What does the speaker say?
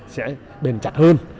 sẽ bền chặt hơn